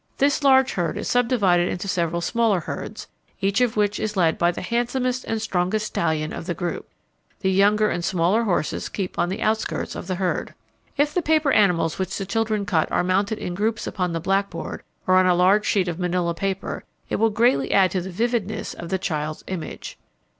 This large herd is subdivided into several smaller herds, each of which is led by the handsomest and strongest stallion of the group. The younger and smaller horses keep on the outskirts of the herd. If the paper animals which the children cut are mounted in groups upon the blackboard or on a large sheet of manilla paper it will greatly add to the vividness of the child's image.